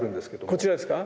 こちらですか？